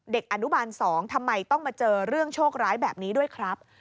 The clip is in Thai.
เด็กอนุบาล๒ทำไมต้องมาเจอเรื่องโชคร้ายแบบนี้ด้วยครับ